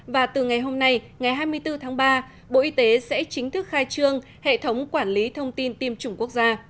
và từ ngày hôm nay ngày hai mươi bốn tháng ba bộ y tế sẽ chính thức khai trương hệ thống quản lý thông tin tiêm chủng quốc gia